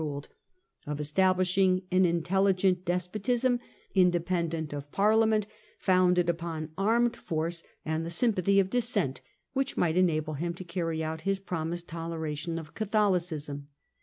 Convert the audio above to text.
ruled, of establishing an intelligent despotism, independent of Parliament, founded upon armed force and the sympathy of Dissent, which might enable him to carry out his promised toleration of Catholicism.